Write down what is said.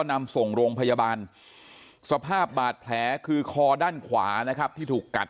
นำส่งโรงพยาบาลสภาพบาดแผลคือคอด้านขวานะครับที่ถูกกัด